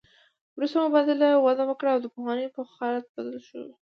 وروسته مبادلو وده وکړه او دا پخوانی حالت بدل شو